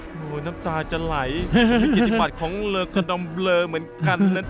โอ้โฮน้ำตาจะไหลมีจิติบัติของเลอกระดำเลอเหมือนกัน